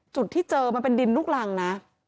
จุดที่เจอมันเป็นดินลูกรังนะ